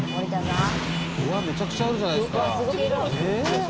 うわめちゃくちゃあるじゃないですか。